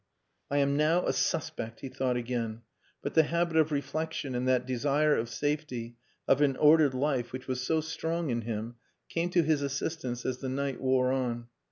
"I am now a suspect," he thought again; but the habit of reflection and that desire of safety, of an ordered life, which was so strong in him came to his assistance as the night wore on.